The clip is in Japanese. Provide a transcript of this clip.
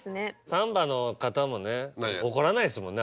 ＳＡＭＢＡの方もね怒らないですもんね。